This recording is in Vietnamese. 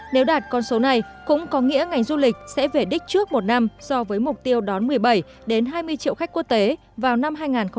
nếu đạt con số này cũng có nghĩa ngành du lịch sẽ về đích trước một năm so với mục tiêu đón một mươi bảy hai mươi triệu khách quốc tế vào năm hai nghìn hai mươi